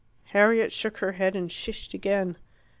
Harriet shook her head and shished again.